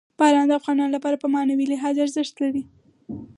باران د افغانانو لپاره په معنوي لحاظ ارزښت لري.